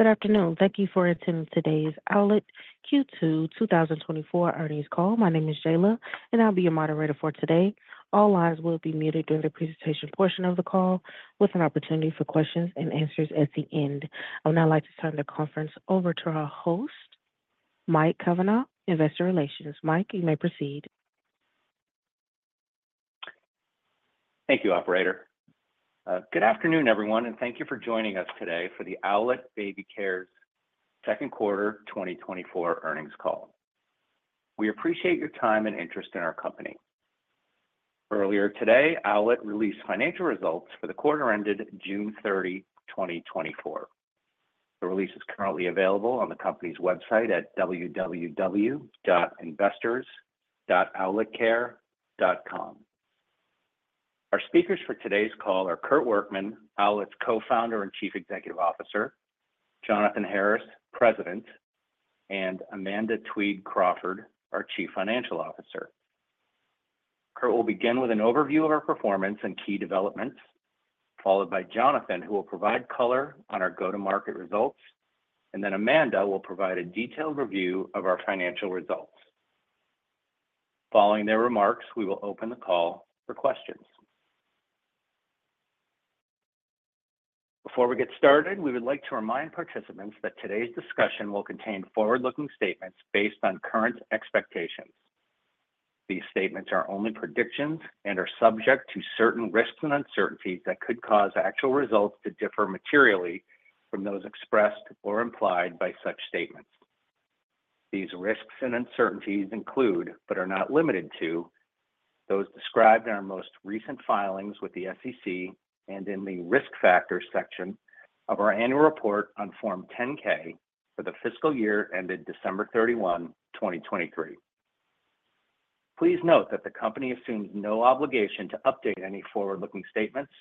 Good afternoon. Thank you for attending today's Owlet Q2 2024 earnings call. My name is Jayla, and I'll be your moderator for today. All lines will be muted during the presentation portion of the call, with an opportunity for questions and answers at the end. I would now like to turn the conference over to our host, Mike Cavanaugh, Investor Relations. Mike, you may proceed. Thank you, operator. Good afternoon, everyone, and thank you for joining us today for the Owlet Baby Care's second quarter 2024 earnings call. We appreciate your time and interest in our company. Earlier today, Owlet released financial results for the quarter ended June 30, 2024. The release is currently available on the company's website at www.investors.owletcare.com. Our speakers for today's call are Kurt Workman, Owlet's Co-founder and Chief Executive Officer, Jonathan Harris, President, and Amanda Twede Crawford, our Chief Financial Officer. Kurt will begin with an overview of our performance and key developments, followed by Jonathan, who will provide color on our go-to-market results, and then Amanda will provide a detailed review of our financial results. Following their remarks, we will open the call for questions. Before we get started, we would like to remind participants that today's discussion will contain forward-looking statements based on current expectations. These statements are only predictions and are subject to certain risks and uncertainties that could cause actual results to differ materially from those expressed or implied by such statements. These risks and uncertainties include, but are not limited to, those described in our most recent filings with the SEC and in the Risk Factors section of our annual report on Form 10-K for the fiscal year ended December 31, 2023. Please note that the company assumes no obligation to update any forward-looking statements,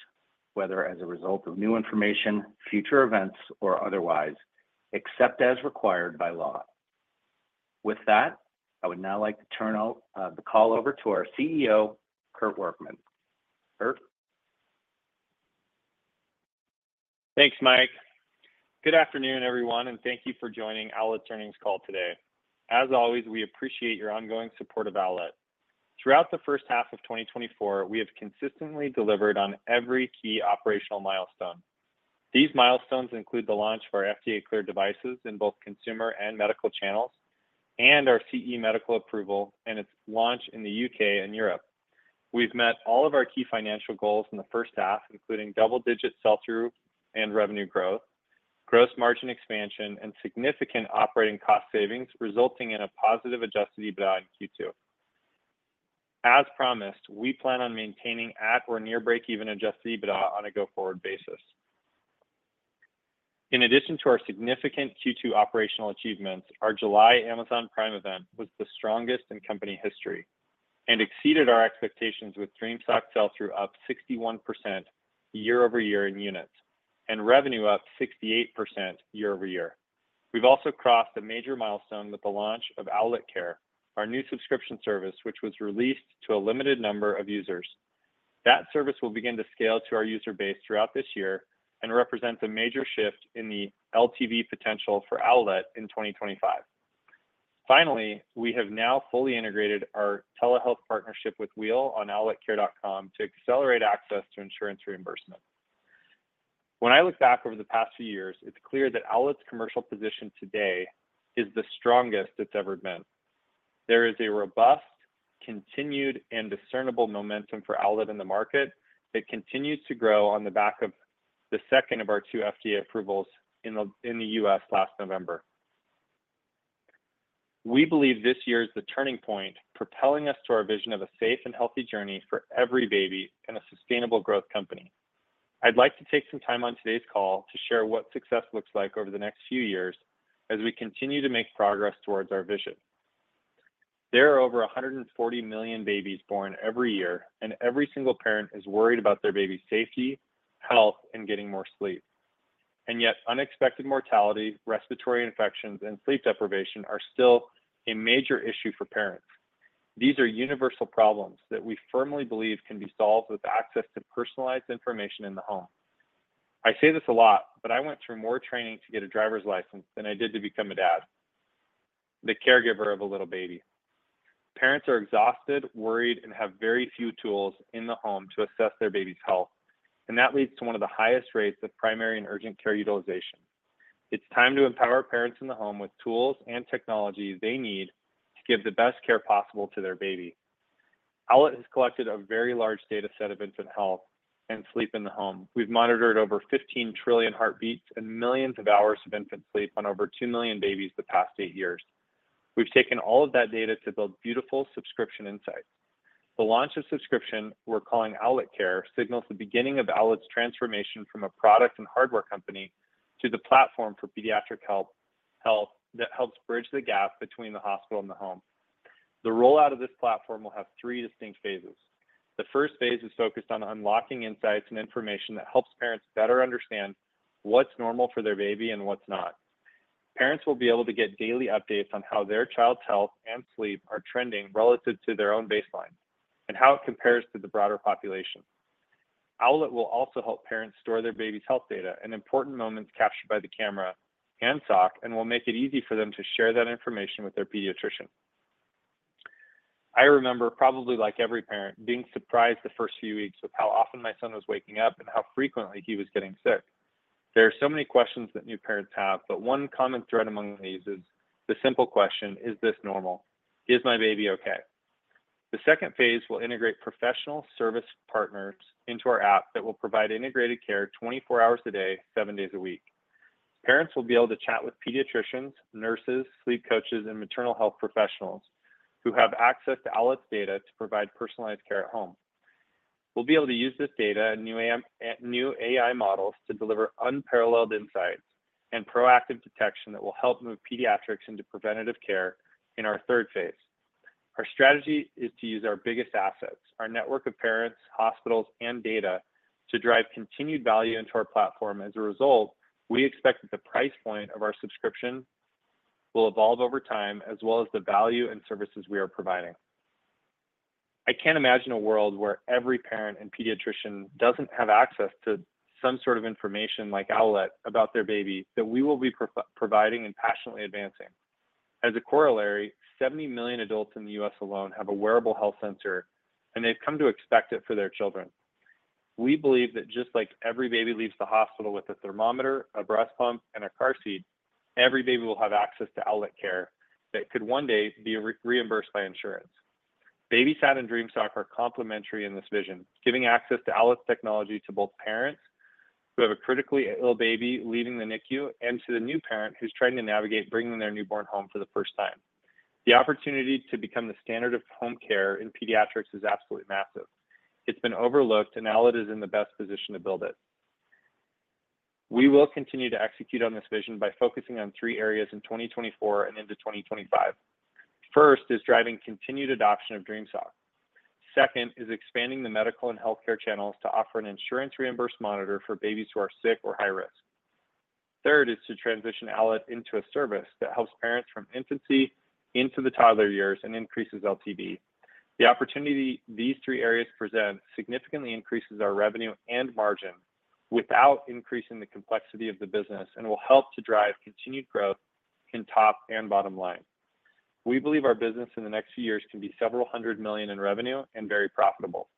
whether as a result of new information, future events, or otherwise, except as required by law. With that, I would now like to turn the call over to our CEO, Kurt Workman. Kurt? Thanks, Mike. Good afternoon, everyone, and thank you for joining Owlet's earnings call today. As always, we appreciate your ongoing support of Owlet. Throughout the first half of 2024, we have consistently delivered on every key operational milestone. These milestones include the launch of our FDA-cleared devices in both consumer and medical channels, and our CE medical approval and its launch in the U.K. and Europe. We've met all of our key financial goals in the first half, including double-digit sell-through and revenue growth, gross margin expansion, and significant operating cost savings, resulting in a positive Adjusted EBITDA in Q2. As promised, we plan on maintaining at or near break-even Adjusted EBITDA on a go-forward basis. In addition to our significant Q2 operational achievements, our July Amazon Prime event was the strongest in company history and exceeded our expectations with Dream Sock sell-through up 61% year-over-year in units, and revenue up 68% year-over-year. We've also crossed a major milestone with the launch of Owlet Care, our new subscription service, which was released to a limited number of users. That service will begin to scale to our user base throughout this year and represents a major shift in the LTV potential for Owlet in 2025. Finally, we have now fully integrated our telehealth partnership with Wheel on owletcare.com to accelerate access to insurance reimbursement. When I look back over the past few years, it's clear that Owlet's commercial position today is the strongest it's ever been. There is a robust, continued, and discernible momentum for Owlet in the market that continues to grow on the back of the second of our two FDA approvals in the U.S. last November. We believe this year is the turning point, propelling us to our vision of a safe and healthy journey for every baby and a sustainable growth company. I'd like to take some time on today's call to share what success looks like over the next few years as we continue to make progress towards our vision. There are over 140 million babies born every year, and every single parent is worried about their baby's safety, health, and getting more sleep. And yet, unexpected mortality, respiratory infections, and sleep deprivation are still a major issue for parents. These are universal problems that we firmly believe can be solved with access to personalized information in the home. I say this a lot, but I went through more training to get a driver's license than I did to become a dad, the caregiver of a little baby. Parents are exhausted, worried, and have very few tools in the home to assess their baby's health, and that leads to one of the highest rates of primary and urgent care utilization. It's time to empower parents in the home with tools and technologies they need to give the best care possible to their baby. Owlet has collected a very large data set of infant health and sleep in the home. We've monitored over 15 trillion heartbeats and millions of hours of infant sleep on over 2 million babies the past 8 years. We've taken all of that data to build beautiful subscription insights. The launch of subscription we're calling Owlet Care signals the beginning of Owlet's transformation from a product and hardware company to the platform for pediatric health that helps bridge the gap between the hospital and the home. The rollout of this platform will have three distinct phases. The first phase is focused on unlocking insights and information that helps parents better understand what's normal for their baby and what's not. Parents will be able to get daily updates on how their child's health and sleep are trending relative to their own baseline and how it compares to the broader population... Owlet will also help parents store their baby's health data and important moments captured by the Camera and Sock, and will make it easy for them to share that information with their pediatrician. I remember, probably like every parent, being surprised the first few weeks of how often my son was waking up and how frequently he was getting sick. There are so many questions that new parents have, but one common thread among these is the simple question: "Is this normal? Is my baby okay?" The second phase will integrate professional service partners into our app that will provide integrated care 24 hours a day, 7 days a week. Parents will be able to chat with pediatricians, nurses, sleep coaches, and maternal health professionals, who have access to Owlet's data to provide personalized care at home. We'll be able to use this data and new AM- and new AI models to deliver unparalleled insights and proactive detection that will help move pediatrics into preventative care in our third phase. Our strategy is to use our biggest assets, our network of parents, hospitals, and data, to drive continued value into our platform. As a result, we expect that the price point of our subscription will evolve over time, as well as the value and services we are providing. I can't imagine a world where every parent and pediatrician doesn't have access to some sort of information like Owlet about their baby, that we will be providing and passionately advancing. As a corollary, 70 million adults in the U.S. alone have a wearable health sensor, and they've come to expect it for their children. We believe that just like every baby leaves the hospital with a thermometer, a breast pump, and a car seat, every baby will have access to Owlet Care that could one day be reimbursed by insurance. BabySat and Dream Sock are complementary in this vision, giving access to Owlet's technology to both parents who have a critically ill baby leaving the NICU, and to the new parent who's trying to navigate bringing their newborn home for the first time. The opportunity to become the standard of home care in pediatrics is absolutely massive. It's been overlooked, and Owlet is in the best position to build it. We will continue to execute on this vision by focusing on three areas in 2024 and into 2025. First, is driving continued adoption of Dream Sock. Second, is expanding the medical and healthcare channels to offer an insurance reimbursed monitor for babies who are sick or high risk. Third, is to transition Owlet into a service that helps parents from infancy into the toddler years and increases LTV. The opportunity these three areas present significantly increases our revenue and margin without increasing the complexity of the business, and will help to drive continued growth in top and bottom line. We believe our business in the next few years can be several hundred million in revenue and very profitable.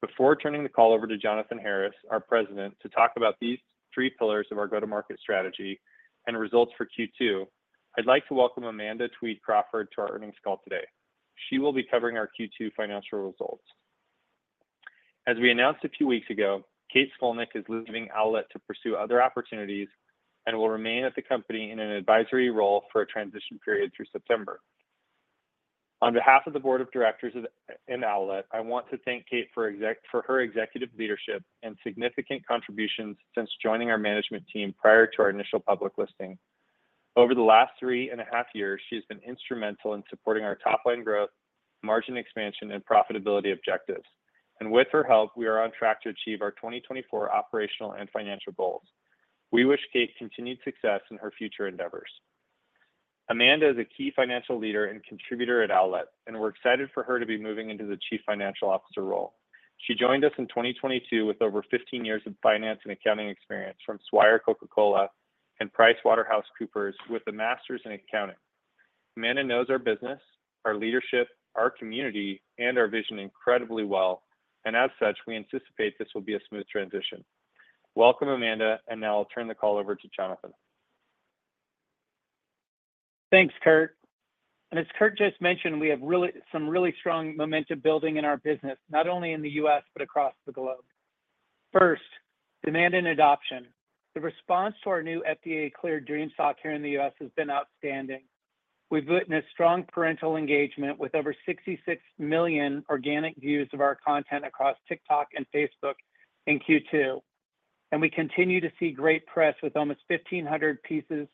Before turning the call over to Jonathan Harris, our President, to talk about these three pillars of our go-to-market strategy and results for Q2, I'd like to welcome Amanda Twede Crawford to our earnings call today. She will be covering our Q2 financial results. As we announced a few weeks ago, Kate Scolnick is leaving Owlet to pursue other opportunities and will remain at the company in an advisory role for a transition period through September. On behalf of the board of directors of Owlet, I want to thank Kate for her executive leadership and significant contributions since joining our management team prior to our initial public listing. Over the last three and a half years, she has been instrumental in supporting our top line growth, margin expansion, and profitability objectives. With her help, we are on track to achieve our 2024 operational and financial goals. We wish Kate continued success in her future endeavors. Amanda is a key financial leader and contributor at Owlet, and we're excited for her to be moving into the Chief Financial Officer role. She joined us in 2022 with over 15 years of finance and accounting experience from Swire Coca-Cola and PricewaterhouseCoopers, with a master's in accounting. Amanda knows our business, our leadership, our community, and our vision incredibly well, and as such, we anticipate this will be a smooth transition. Welcome, Amanda, and now I'll turn the call over to Jonathan. Thanks, Kurt. And as Kurt just mentioned, we have some really strong momentum building in our business, not only in the U.S., but across the globe. First, demand and adoption. The response to our new FDA-cleared Dream Sock here in the U.S. has been outstanding. We've witnessed strong parental engagement with over 66 million organic views of our content across TikTok and Facebook in Q2. And we continue to see great press with almost 1,500 pieces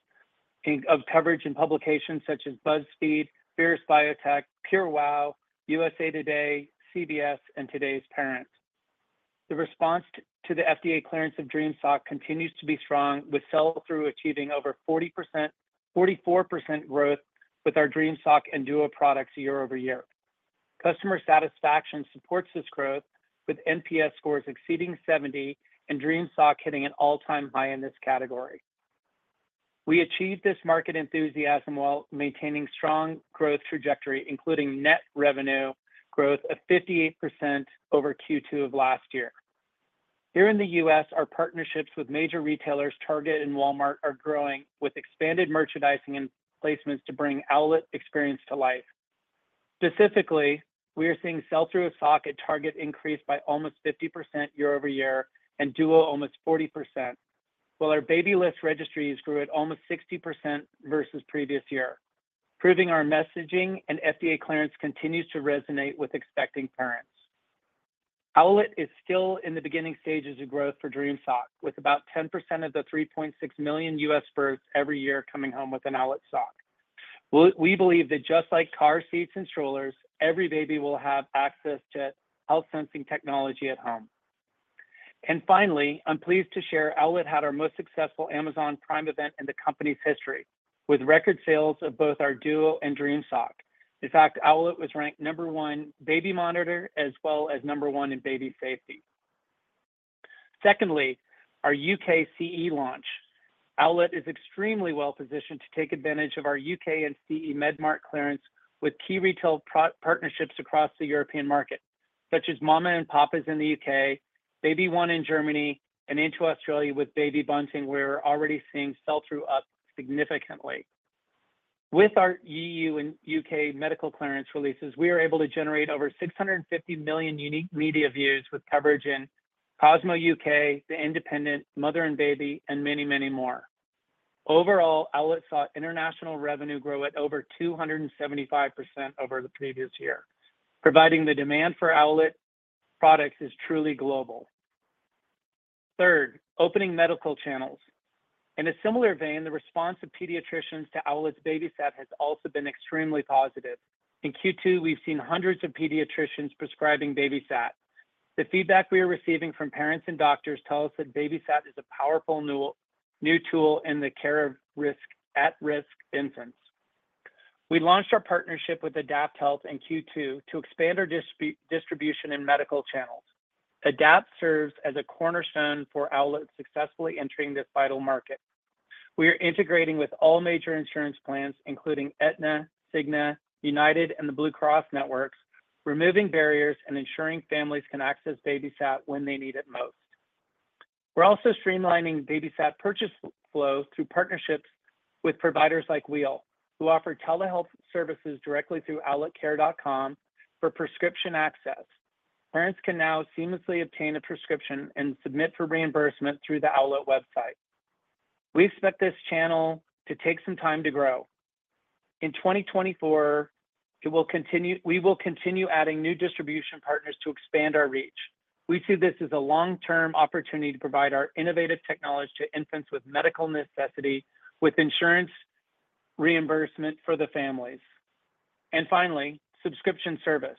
of coverage in publications such as BuzzFeed, Fierce Biotech, PureWow, USA TODAY, CBS, and Today's Parent. The response to the FDA clearance of Dream Sock continues to be strong, with sell-through achieving over 44% growth with our Dream Sock and Duo products year-over-year. Customer satisfaction supports this growth, with NPS scores exceeding 70, and Dream Sock hitting an all-time high in this category. We achieved this market enthusiasm while maintaining strong growth trajectory, including net revenue growth of 58% over Q2 of last year. Here in the US, our partnerships with major retailers, Target and Walmart, are growing, with expanded merchandising and placements to bring Owlet experience to life. Specifically, we are seeing sell-through of Sock at Target increase by almost 50% year-over-year, and Duo almost 40%. While our Babylist registries grew at almost 60% versus previous year, proving our messaging and FDA clearance continues to resonate with expecting parents. Owlet is still in the beginning stages of growth for Dream Sock, with about 10% of the 3.6 million U.S. births every year coming home with an Owlet Sock. We believe that just like car seats and strollers, every baby will have access to health sensing technology at home. And finally, I'm pleased to share Owlet had our most successful Amazon Prime event in the company's history, with record sales of both our Duo and Dream Sock. In fact, Owlet was ranked number one baby monitor, as well as number one in baby safety. Secondly, our U.K./CE launch. Owlet is extremely well-positioned to take advantage of our U.K. and CE Mark clearance with key retail partnerships across the European market, such as Mamas & Papas in the U.K., BabyOne in Germany, and into Australia with Baby Bunting, where we're already seeing sell-through up significantly. With our EU and U.K. medical clearance releases, we are able to generate over 650 million unique media views with coverage in Cosmo U.K., The Independent, Mother&Baby, and many, many more. Overall, Owlet saw international revenue grow at over 275% over the previous year, proving that the demand for Owlet products is truly global. Third, opening medical channels. In a similar vein, the response of pediatricians to Owlet's BabySat has also been extremely positive. In Q2, we've seen hundreds of pediatricians prescribing BabySat. The feedback we are receiving from parents and doctors tell us that BabySat is a powerful novel new tool in the care of at-risk infants. We launched our partnership with AdaptHealth in Q2 to expand our distribution in medical channels. AdaptHealth serves as a cornerstone for Owlet successfully entering this vital market. We are integrating with all major insurance plans, including Aetna, Cigna, United, and the Blue Cross networks, removing barriers and ensuring families can access BabySat when they need it most. We're also streamlining BabySat purchase flow through partnerships with providers like Wheel, who offer telehealth services directly through owletcare.com for prescription access. Parents can now seamlessly obtain a prescription and submit for reimbursement through the Owlet website. We expect this channel to take some time to grow. In 2024, it will continue—we will continue adding new distribution partners to expand our reach. We see this as a long-term opportunity to provide our innovative technology to infants with medical necessity, with insurance reimbursement for the families. And finally, subscription service.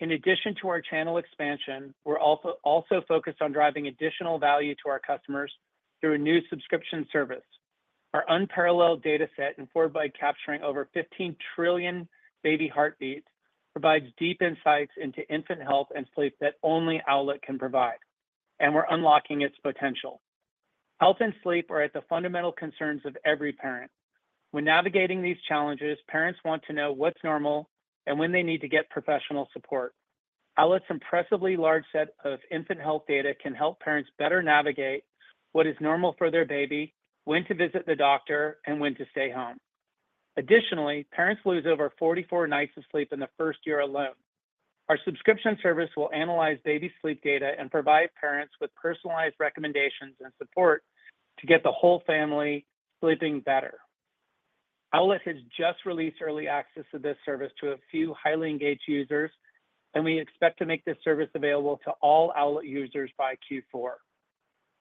In addition to our channel expansion, we're also focused on driving additional value to our customers through a new subscription service. Our unparalleled data set, informed by capturing over 15 trillion baby heartbeats, provides deep insights into infant health and sleep that only Owlet can provide, and we're unlocking its potential. Health and sleep are at the fundamental concerns of every parent. When navigating these challenges, parents want to know what's normal and when they need to get professional support. Owlet's impressively large set of infant health data can help parents better navigate what is normal for their baby, when to visit the doctor, and when to stay home. Additionally, parents lose over 44 nights of sleep in the first year alone. Our subscription service will analyze baby sleep data and provide parents with personalized recommendations and support to get the whole family sleeping better. Owlet has just released early access to this service to a few highly engaged users, and we expect to make this service available to all Owlet users by Q4.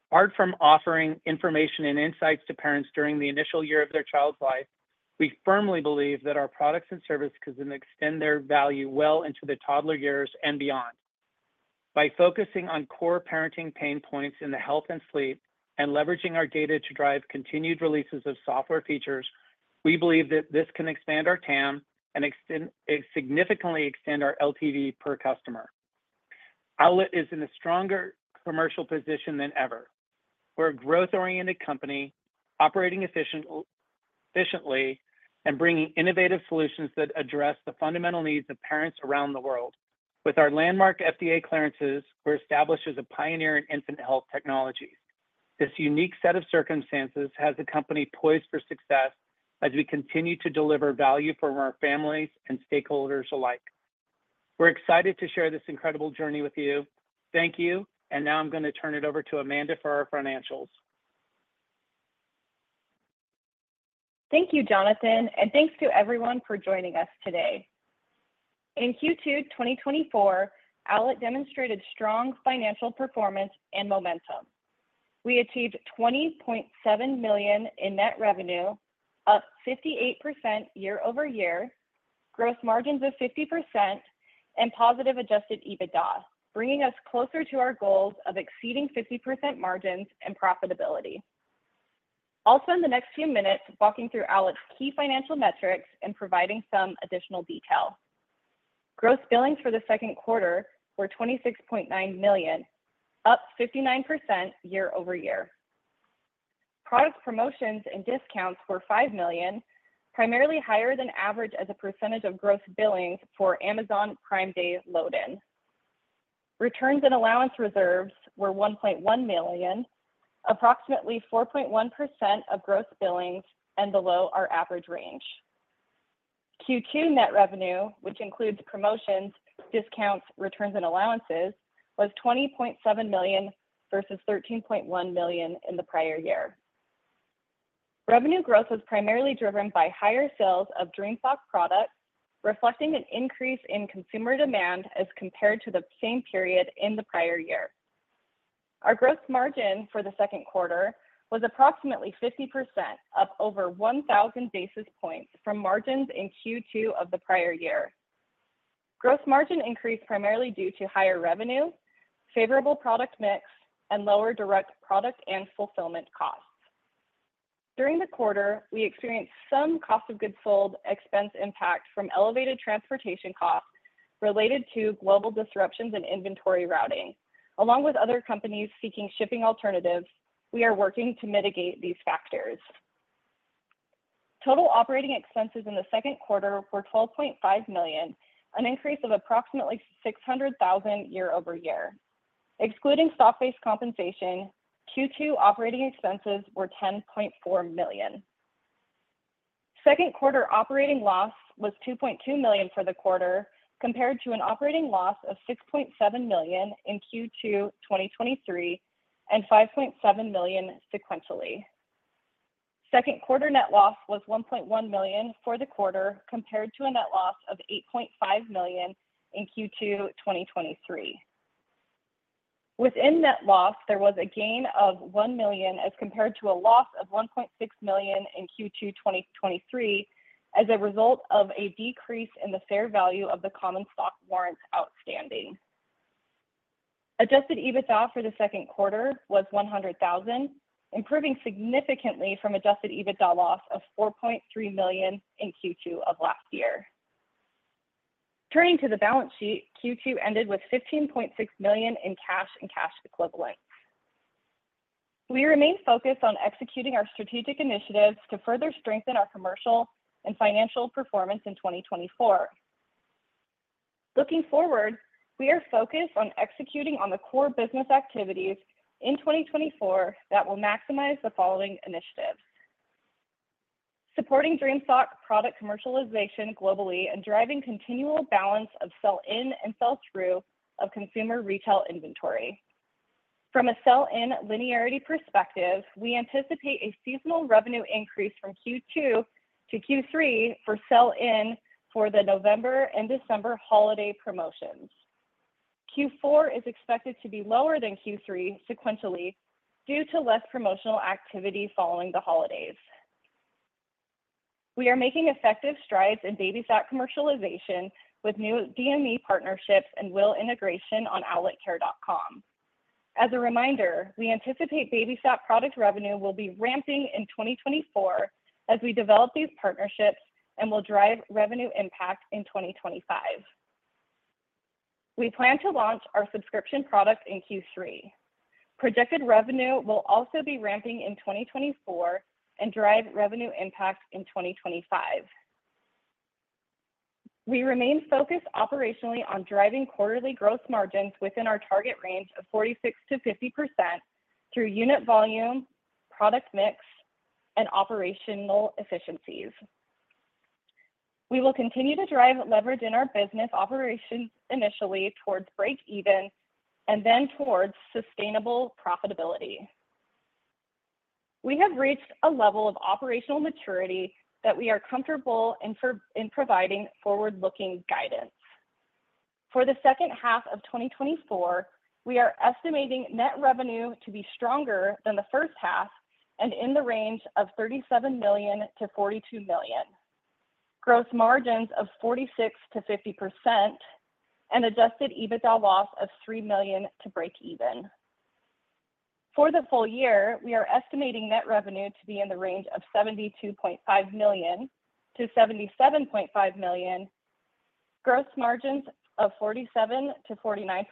Apart from offering information and insights to parents during the initial year of their child's life, we firmly believe that our products and services can extend their value well into the toddler years and beyond. By focusing on core parenting pain points in the health and sleep, and leveraging our data to drive continued releases of software features, we believe that this can expand our TAM and significantly extend our LTV per customer. Owlet is in a stronger commercial position than ever. We're a growth-oriented company, operating efficiently and bringing innovative solutions that address the fundamental needs of parents around the world. With our landmark FDA clearances, we're established as a pioneer in infant health technologies. This unique set of circumstances has the company poised for success as we continue to deliver value for our families and stakeholders alike. We're excited to share this incredible journey with you. Thank you. Now I'm going to turn it over to Amanda for our financials. Thank you, Jonathan, and thanks to everyone for joining us today. In Q2 2024, Owlet demonstrated strong financial performance and momentum. We achieved $20.7 million in net revenue, up 58% year-over-year, gross margins of 50%, and positive adjusted EBITDA, bringing us closer to our goals of exceeding 50% margins and profitability. I'll spend the next few minutes walking through Owlet's key financial metrics and providing some additional detail. Gross billings for the second quarter were $26.9 million, up 59% year-over-year. Product promotions and discounts were $5 million, primarily higher than average as a percentage of gross billings for Amazon Prime Day load-in. Returns and allowance reserves were $1.1 million, approximately 4.1% of gross billings and below our average range. Q2 net revenue, which includes promotions, discounts, returns, and allowances, was $20.7 million versus $13.1 million in the prior year. Revenue growth was primarily driven by higher sales of Dream Sock products, reflecting an increase in consumer demand as compared to the same period in the prior year. Our gross margin for the second quarter was approximately 50%, up over 1,000 basis points from margins in Q2 of the prior year. Gross margin increased primarily due to higher revenue, favorable product mix, and lower direct product and fulfillment costs. During the quarter, we experienced some cost of goods sold expense impact from elevated transportation costs related to global disruptions in inventory routing. Along with other companies seeking shipping alternatives, we are working to mitigate these factors. Total operating expenses in the second quarter were $12.5 million, an increase of approximately $600,000 year-over-year. Excluding stock-based compensation, Q2 operating expenses were $10.4 million. Second quarter operating loss was $2.2 million for the quarter, compared to an operating loss of $6.7 million in Q2 2023, and $5.7 million sequentially. Second quarter net loss was $1.1 million for the quarter, compared to a net loss of $8.5 million in Q2 2023. Within net loss, there was a gain of $1 million, as compared to a loss of $1.6 million in Q2 2023, as a result of a decrease in the fair value of the common stock warrants outstanding. Adjusted EBITDA for the second quarter was $100,000, improving significantly from adjusted EBITDA loss of $4.3 million in Q2 of last year. Turning to the balance sheet, Q2 ended with $15.6 million in cash and cash equivalents. We remain focused on executing our strategic initiatives to further strengthen our commercial and financial performance in 2024. Looking forward, we are focused on executing on the core business activities in 2024 that will maximize the following initiatives: Supporting Dream Sock product commercialization globally and driving continual balance of sell-in and sell-through of consumer retail inventory. From a sell-in linearity perspective, we anticipate a seasonal revenue increase from Q2 to Q3 for sell-in for the November and December holiday promotions. Q4 is expected to be lower than Q3 sequentially, due to less promotional activity following the holidays. We are making effective strides in BabySat commercialization with new DME partnerships and with integration on owletcare.com. As a reminder, we anticipate BabySat product revenue will be ramping in 2024 as we develop these partnerships and will drive revenue impact in 2025. We plan to launch our subscription product in Q3. Projected revenue will also be ramping in 2024 and drive revenue impact in 2025. We remain focused operationally on driving quarterly gross margins within our target range of 46%-50% through unit volume, product mix, and operational efficiencies. We will continue to drive leverage in our business operations initially towards break even, and then towards sustainable profitability. We have reached a level of operational maturity that we are comfortable in providing forward-looking guidance. For the second half of 2024, we are estimating net revenue to be stronger than the first half and in the range of $37 million-$42 million. Gross margins of 46%-50% and Adjusted EBITDA loss of $3 million to break even. For the full year, we are estimating net revenue to be in the range of $72.5 million-$77.5 million, gross margins of 47%-49%,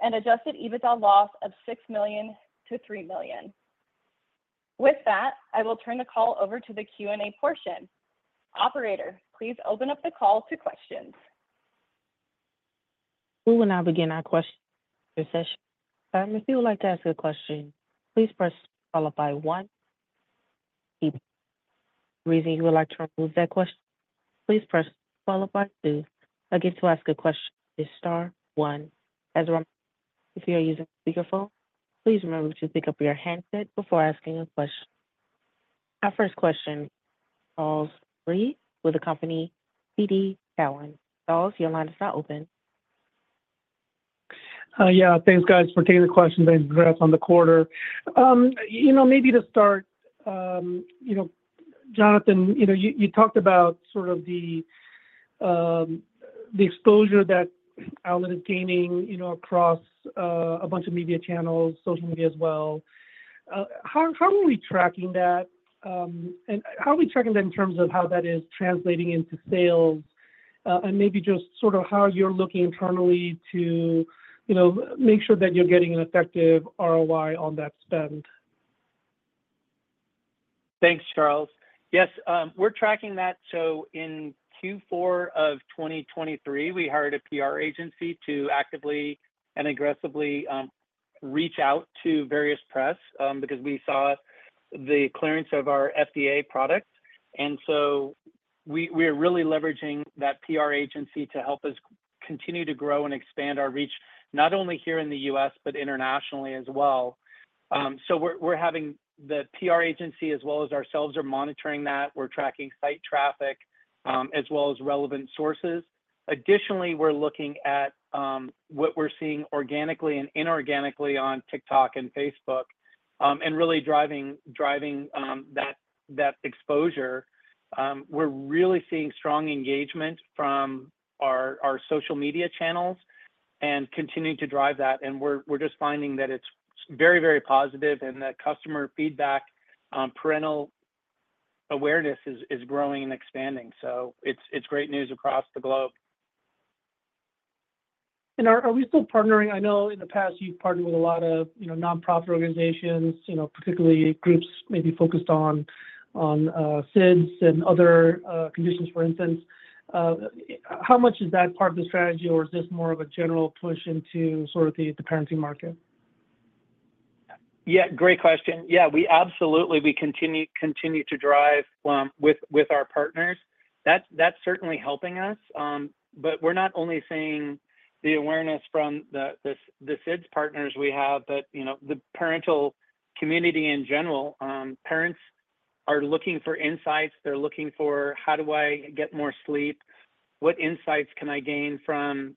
and Adjusted EBITDA loss of $6 million-$3 million. With that, I will turn the call over to the Q&A portion. Operator, please open up the call to questions. We will now begin our question session. If you would like to ask a question, please press star followed by one. If you would like to remove that question, please press star followed by two. Again, to ask a question, it's star one. As a reminder, if you are using speakerphone, please remember to pick up your handset before asking a question. Our first question, Charles Rhyee with the company TD Cowen. Charles, your line is now open. Yeah, thanks, guys, for taking the question. Thanks for the ups on the quarter. You know, maybe to start, you know, Jonathan, you know, you, you talked about sort of the, the exposure that Owlet is gaining, you know, across, a bunch of media channels, social media as well. How, how are we tracking that, and how are we tracking that in terms of how that is translating into sales? And maybe just sort of how you're looking internally to, you know, make sure that you're getting an effective ROI on that spend. Thanks, Charles. Yes, we're tracking that. So in Q4 of 2023, we hired a PR agency to actively and aggressively reach out to various press because we saw the clearance of our FDA products. And so we, we are really leveraging that PR agency to help us continue to grow and expand our reach, not only here in the US, but internationally as well. So we're, we're having the PR agency as well as ourselves are monitoring that. We're tracking site traffic as well as relevant sources. Additionally, we're looking at what we're seeing organically and inorganically on TikTok and Facebook.... and really driving that exposure. We're really seeing strong engagement from our social media channels and continuing to drive that, and we're just finding that it's very positive and that customer feedback, parental awareness is growing and expanding. So it's great news across the globe. Are we still partnering? I know in the past you've partnered with a lot of, you know, nonprofit organizations, you know, particularly groups maybe focused on SIDS and other conditions, for instance. How much is that part of the strategy, or is this more of a general push into sort of the parenting market? Yeah, great question. Yeah, we absolutely continue to drive with our partners. That's certainly helping us. But we're not only seeing the awareness from the SIDS partners we have, but you know, the parental community in general. Parents are looking for insights. They're looking for, "How do I get more sleep? What insights can I gain from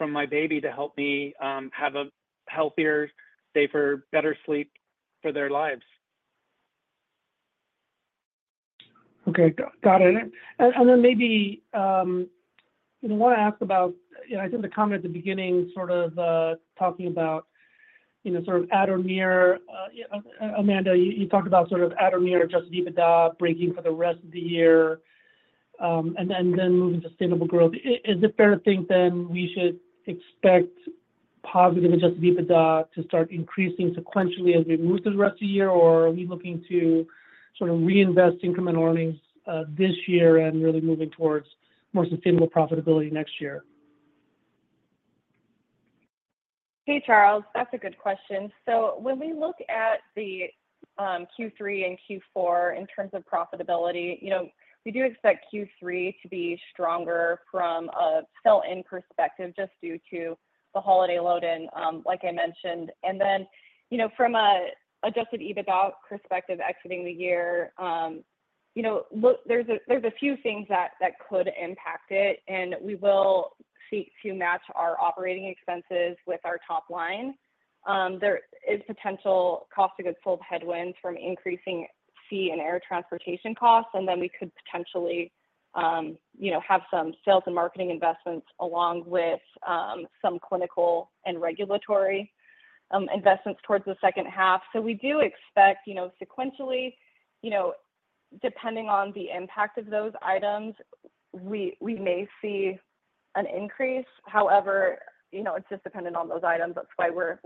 my baby to help me have a healthier, safer, better sleep for their lives? Okay. Got it. And then maybe, you know, I want to ask about, you know, I think the comment at the beginning, sort of, talking about, you know, sort of at or near... Amanda, you talked about sort of at or near Adjusted EBITDA breakeven for the rest of the year, and then moving to sustainable growth. Is it fair to think then we should expect positive adjusted EBITDA to start increasing sequentially as we move through the rest of the year? Or are we looking to sort of reinvest income and earnings, this year and really moving towards more sustainable profitability next year? Hey, Charles, that's a good question. So when we look at the Q3 and Q4 in terms of profitability, you know, we do expect Q3 to be stronger from a sell-in perspective, just due to the holiday load-in, like I mentioned. And then, you know, from an Adjusted EBITDA perspective, exiting the year, you know, look, there's a few things that could impact it, and we will seek to match our operating expenses with our top line. There is potential cost of goods sold headwinds from increasing sea and air transportation costs, and then we could potentially, you know, have some sales and marketing investments, along with some clinical and regulatory investments towards the second half. So we do expect, you know, sequentially, you know, depending on the impact of those items, we may see an increase. However, you know, it's just dependent on those items. That's why we're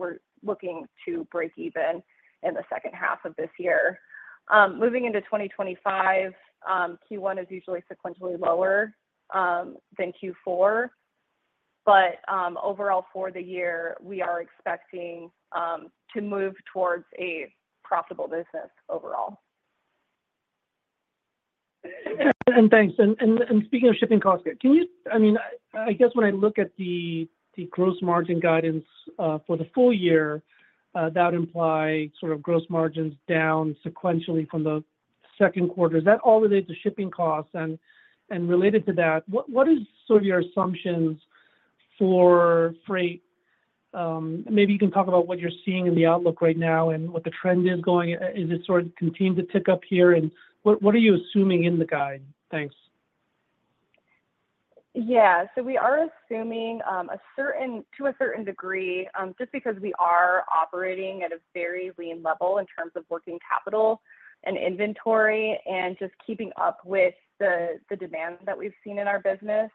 looking to break even in the second half of this year. Moving into 2025, Q1 is usually sequentially lower than Q4. But overall, for the year, we are expecting to move towards a profitable business overall. And thanks. Speaking of shipping costs, can you—I mean, I guess when I look at the gross margin guidance for the full year, that implies sort of gross margins down sequentially from the second quarter. Is that all related to shipping costs? And related to that, what is sort of your assumptions for freight? Maybe you can talk about what you're seeing in the outlook right now and what the trend is going. Is it sort of continuing to tick up here, and what are you assuming in the guide? Thanks. Yeah. So we are assuming a certain degree, just because we are operating at a very lean level in terms of working capital and inventory and just keeping up with the demands that we've seen in our business,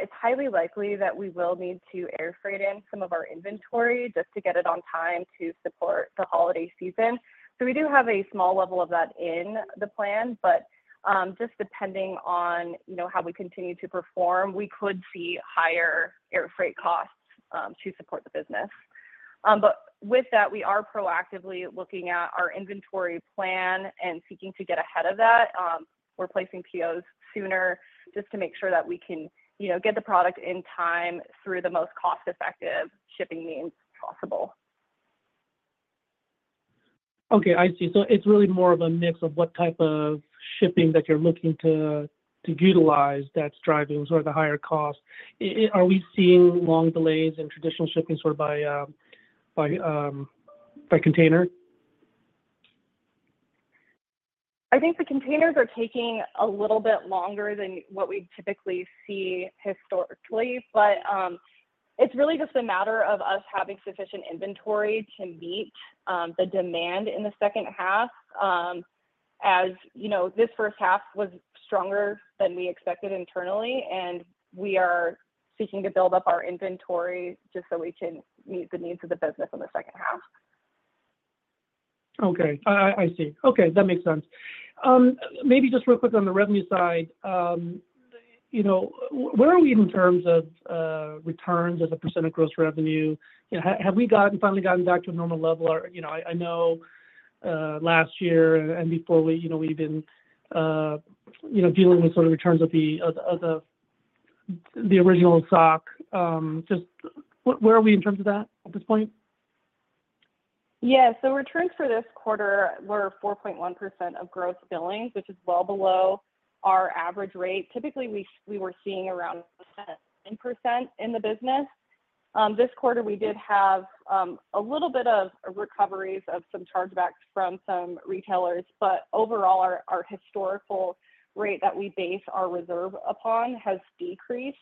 it's highly likely that we will need to air freight in some of our inventory just to get it on time to support the holiday season. So we do have a small level of that in the plan, but just depending on, you know, how we continue to perform, we could see higher air freight costs to support the business. But with that, we are proactively looking at our inventory plan and seeking to get ahead of that. We're placing POs sooner just to make sure that we can, you know, get the product in time through the most cost-effective shipping means possible. Okay, I see. So it's really more of a mix of what type of shipping that you're looking to utilize that's driving sort of the higher costs. Are we seeing long delays in traditional shipping, sort of by container? I think the containers are taking a little bit longer than what we typically see historically. But, it's really just a matter of us having sufficient inventory to meet the demand in the second half. As you know, this first half was stronger than we expected internally, and we are seeking to build up our inventory just so we can meet the needs of the business in the second half. Okay. I see. Okay, that makes sense. Maybe just real quick on the revenue side, you know, where are we in terms of returns as a percent of gross revenue? You know, have we gotten, finally gotten back to a normal level? Or, you know, I know last year and before we, you know, we've been dealing with sort of returns of the original stock. Just where are we in terms of that at this point? Yeah. So returns for this quarter were 4.1% of gross billings, which is well below our average rate. Typically, we were seeing around 7% in the business. This quarter, we did have a little bit of recoveries of some chargebacks from some retailers. But overall, our historical rate that we base our reserve upon has decreased.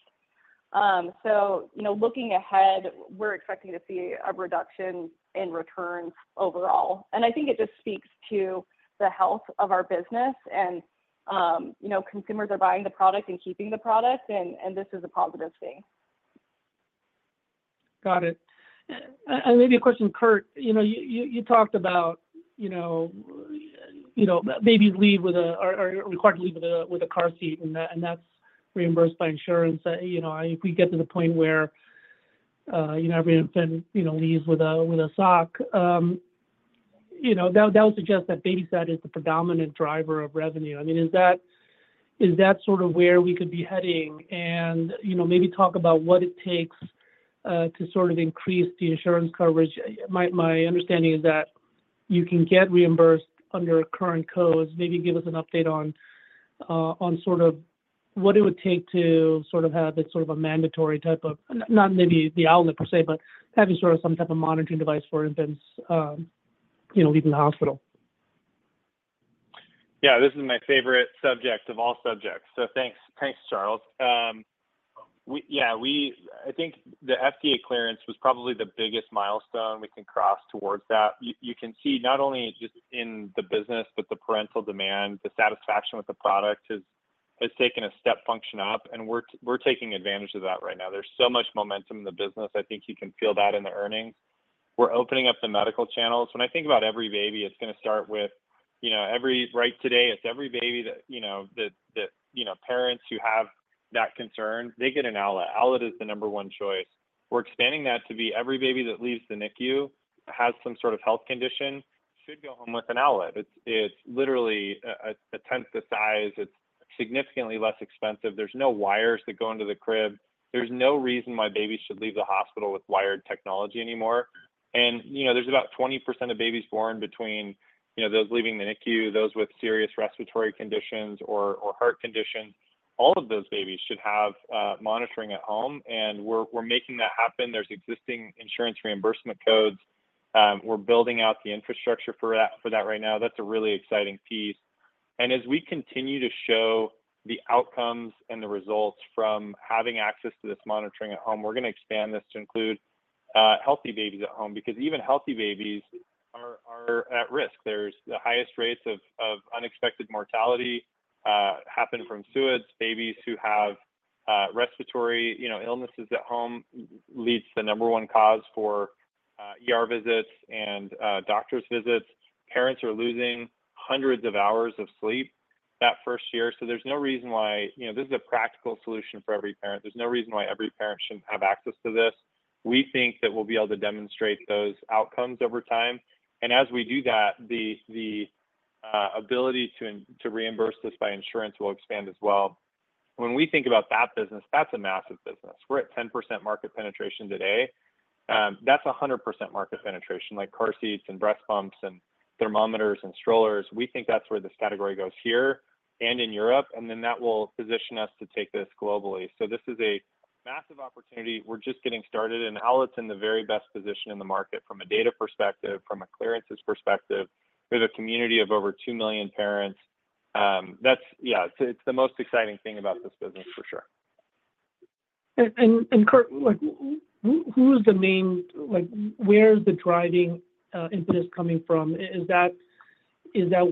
So, you know, looking ahead, we're expecting to see a reduction in returns overall, and I think it just speaks to the health of our business. And, you know, consumers are buying the product and keeping the product, and this is a positive thing. Got it. And maybe a question, Kurt. You know, you talked about, you know, babies leave with a-- or required to leave with a car seat, and that's reimbursed by insurance. You know, if we get to the point where every infant leaves with a Sock, you know, that would suggest that BabySat is the predominant driver of revenue. I mean, is that sort of where we could be heading? And, you know, maybe talk about what it takes to sort of increase the insurance coverage. My understanding is that you can get reimbursed under current codes. Maybe give us an update on sort of what it would take to sort of have this sort of a mandatory type of... Not maybe the Owlet per se, but having sort of some type of monitoring device for infants, you know, leaving the hospital. Yeah, this is my favorite subject of all subjects, so thanks, thanks, Charles. I think the FDA clearance was probably the biggest milestone we can cross towards that. You can see not only just in the business, but the parental demand, the satisfaction with the product has taken a step function up, and we're taking advantage of that right now. There's so much momentum in the business. I think you can feel that in the earnings. We're opening up the medical channels. When I think about every baby, it's gonna start with, you know, every. Right today, it's every baby that, you know, parents who have that concern, they get an Owlet. Owlet is the number one choice. We're expanding that to be every baby that leaves the NICU, has some sort of health condition, should go home with an Owlet. It's, it's literally a tenth the size. It's significantly less expensive. There's no wires that go into the crib. There's no reason why babies should leave the hospital with wired technology anymore. And, you know, there's about 20% of babies born between, you know, those leaving the NICU, those with serious respiratory conditions or heart conditions. All of those babies should have monitoring at home, and we're making that happen. There's existing insurance reimbursement codes. We're building out the infrastructure for that right now. That's a really exciting piece. And as we continue to show the outcomes and the results from having access to this monitoring at home, we're gonna expand this to include healthy babies at home, because even healthy babies are at risk. There's the highest rates of unexpected mortality happen from SUIDs. Babies who have respiratory, you know, illnesses at home leads the number one cause for ER visits and doctor's visits. Parents are losing hundreds of hours of sleep that first year, so there's no reason why. You know, this is a practical solution for every parent. There's no reason why every parent shouldn't have access to this. We think that we'll be able to demonstrate those outcomes over time. And as we do that, the ability to reimburse this by insurance will expand as well. When we think about that business, that's a massive business. We're at 10% market penetration today. That's a 100% market penetration, like car seats and breast pumps and thermometers and strollers. We think that's where this category goes here and in Europe, and then that will position us to take this globally. So this is a massive opportunity. We're just getting started, and Owlet's in the very best position in the market from a data perspective, from a clearances perspective. We have a community of over two million parents. That's-- yeah, it's the most exciting thing about this business, for sure. Kurt, like, who is the main—like, where is the driving impetus coming from? Is that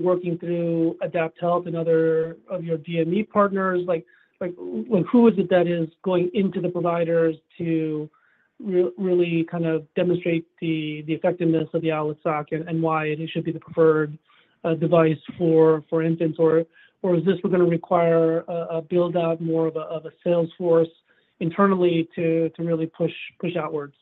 working through AdaptHealth and other of your DME partners? Like, who is it that is going into the providers to really kind of demonstrate the effectiveness of the Owlet Sock and why it should be the preferred device for infants? Or is this gonna require a build-out, more of a sales force internally to really push outwards?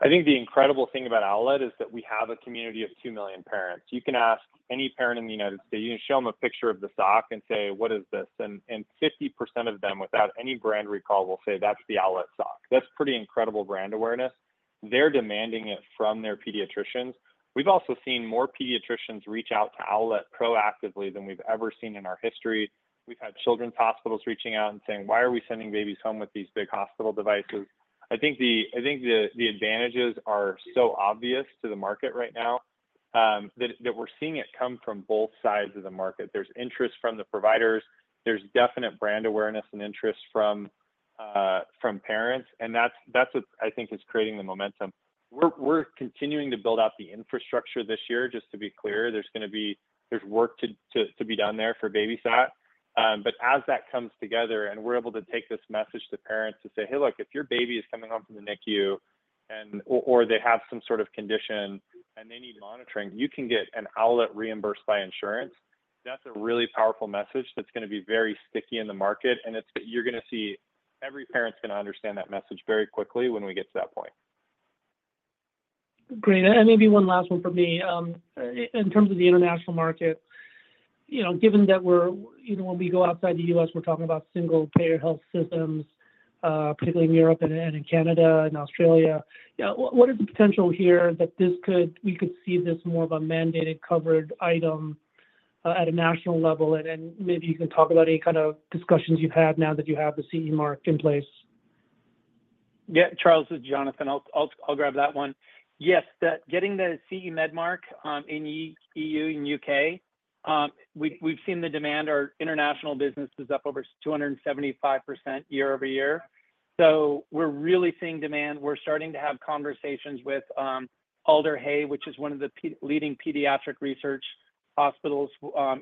I think the incredible thing about Owlet is that we have a community of 2 million parents. You can ask any parent in the United States, you can show them a picture of the Sock and say, "What is this?" And 50% of them, without any brand recall, will say, "That's the Owlet Sock." That's pretty incredible brand awareness. They're demanding it from their pediatricians. We've also seen more pediatricians reach out to Owlet proactively than we've ever seen in our history. We've had children's hospitals reaching out and saying, "Why are we sending babies home with these big hospital devices?" I think the advantages are so obvious to the market right now, that we're seeing it come from both sides of the market. There's interest from the providers. There's definite brand awareness and interest from parents, and that's what I think is creating the momentum. We're continuing to build out the infrastructure this year, just to be clear. There's gonna be work to be done there for BabySat. But as that comes together and we're able to take this message to parents and say, "Hey, look, if your baby is coming home from the NICU, or they have some sort of condition, and they need monitoring, you can get an Owlet reimbursed by insurance," that's a really powerful message that's gonna be very sticky in the market, and it's. You're gonna see. Every parent's gonna understand that message very quickly when we get to that point. Great. Maybe one last one from me. In terms of the international market, you know, given that we're... You know, when we go outside the U.S., we're talking about single-payer health systems, particularly in Europe and in Canada and Australia. Yeah, what is the potential here that this could, we could see this more of a mandated covered item?... at a national level, and then maybe you can talk about any kind of discussions you've had now that you have the CE Mark in place? Yeah, Charles, this is Jonathan. I'll grab that one. Yes, getting the CE Mark in EU, in U.K., we've seen the demand. Our international business is up over 275% year-over-year. So we're really seeing demand. We're starting to have conversations with Alder Hey, which is one of the leading pediatric research hospitals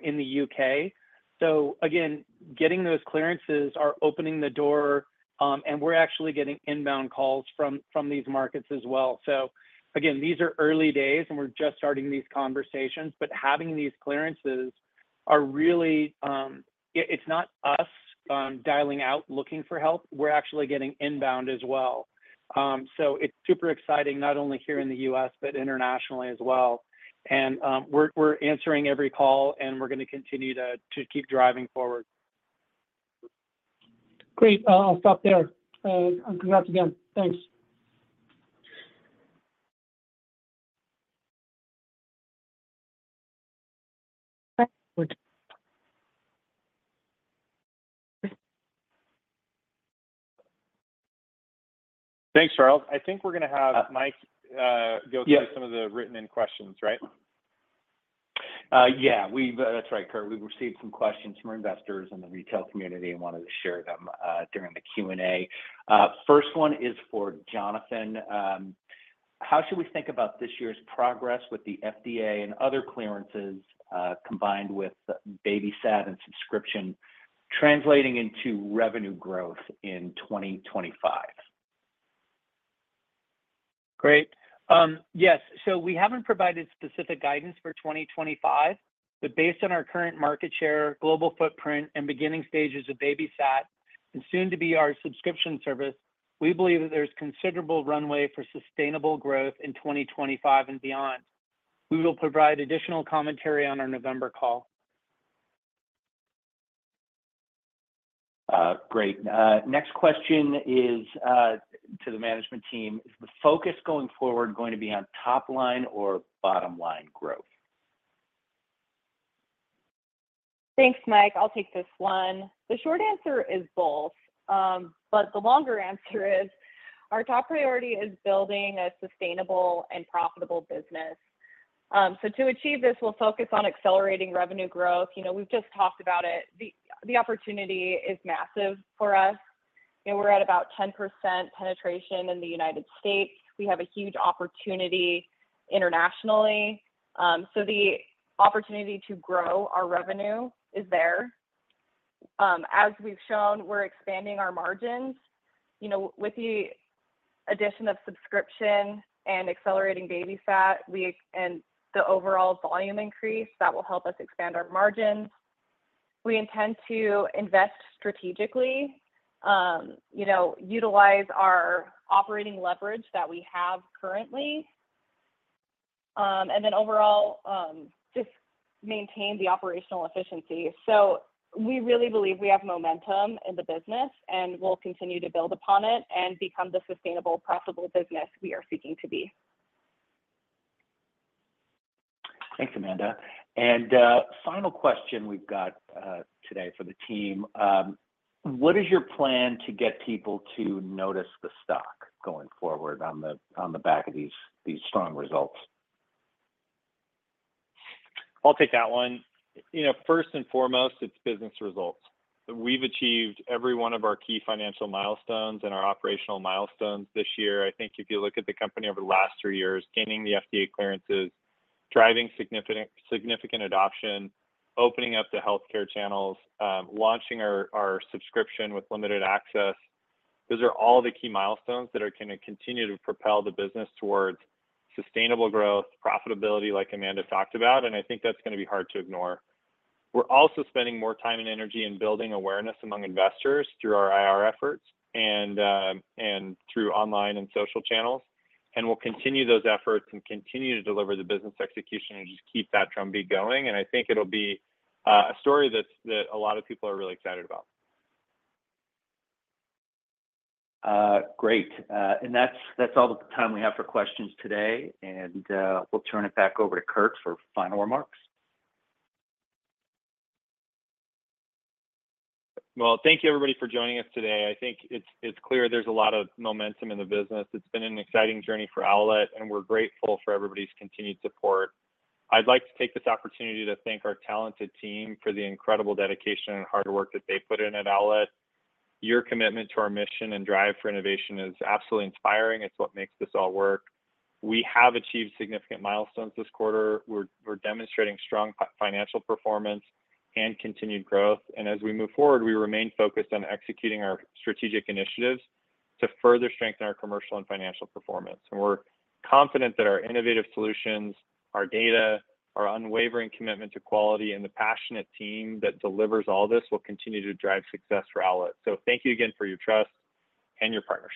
in the U.K.. So again, getting those clearances are opening the door, and we're actually getting inbound calls from these markets as well. So again, these are early days, and we're just starting these conversations, but having these clearances are really... It's not us dialing out, looking for help. We're actually getting inbound as well. So it's super exciting, not only here in the US, but internationally as well. We're answering every call, and we're gonna continue to keep driving forward. Great. I'll stop there. Congrats again. Thanks. Thanks, Charles. I think we're gonna have Mike. Yes... go through some of the written-in questions, right? Yeah. We've... That's right, Kurt. We've received some questions from investors in the retail community and wanted to share them during the Q&A. First one is for Jonathan. How should we think about this year's progress with the FDA and other clearances, combined with BabySat and subscription, translating into revenue growth in 2025? Great. Yes, so we haven't provided specific guidance for 2025, but based on our current market share, global footprint, and beginning stages of BabySat, and soon to be our subscription service, we believe that there's considerable runway for sustainable growth in 2025 and beyond. We will provide additional commentary on our November call. Great. Next question is to the management team. Is the focus going forward going to be on top line or bottom line growth? Thanks, Mike. I'll take this one. The short answer is both. But the longer answer is, our top priority is building a sustainable and profitable business. So to achieve this, we'll focus on accelerating revenue growth. You know, we've just talked about it. The opportunity is massive for us, and we're at about 10% penetration in the United States. We have a huge opportunity internationally. So the opportunity to grow our revenue is there. As we've shown, we're expanding our margins. You know, with the addition of subscription and accelerating BabySat, and the overall volume increase, that will help us expand our margins. We intend to invest strategically, you know, utilize our operating leverage that we have currently, and then overall, just maintain the operational efficiency. We really believe we have momentum in the business, and we'll continue to build upon it and become the sustainable, profitable business we are seeking to be. Thanks, Amanda. And final question we've got today for the team. What is your plan to get people to notice the stock going forward on the back of these strong results? I'll take that one. You know, first and foremost, it's business results. We've achieved every one of our key financial milestones and our operational milestones this year. I think if you look at the company over the last three years, gaining the FDA clearances, driving significant, significant adoption, opening up the healthcare channels, launching our subscription with limited access, those are all the key milestones that are gonna continue to propel the business towards sustainable growth, profitability, like Amanda talked about, and I think that's gonna be hard to ignore. We're also spending more time and energy in building awareness among investors through our IR efforts and through online and social channels. We'll continue those efforts and continue to deliver the business execution and just keep that drumbeat going. I think it'll be a story that a lot of people are really excited about. Great. And that's, that's all the time we have for questions today, and we'll turn it back over to Kurt for final remarks. Well, thank you, everybody, for joining us today. I think it's clear there's a lot of momentum in the business. It's been an exciting journey for Owlet, and we're grateful for everybody's continued support. I'd like to take this opportunity to thank our talented team for the incredible dedication and hard work that they put in at Owlet. Your commitment to our mission and drive for innovation is absolutely inspiring. It's what makes this all work. We have achieved significant milestones this quarter. We're demonstrating strong financial performance and continued growth. As we move forward, we remain focused on executing our strategic initiatives to further strengthen our commercial and financial performance. We're confident that our innovative solutions, our data, our unwavering commitment to quality, and the passionate team that delivers all this, will continue to drive success for Owlet. Thank you again for your trust and your partnership.